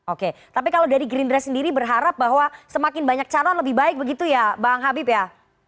oke tapi kalau dari gerindra sendiri berharap bahwa semakin banyak calon lebih baik begitu ya bang habib ya